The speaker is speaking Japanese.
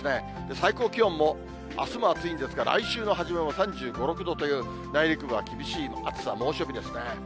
最高気温もあすも暑いんですが、来週の初めも３５、６度という、内陸部は厳しい暑さ、猛暑日ですね。